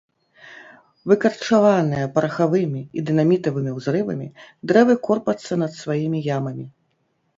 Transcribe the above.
Выкарчаваныя парахавымі і дынамітавымі ўзрывамі, дрэвы корпацца над сваімі ямамі.